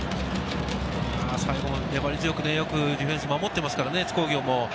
最後まで粘り強く、よくディフェンス守ってますからね、津工業も。